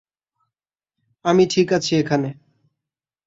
আমি ঠিক আছি এখানে।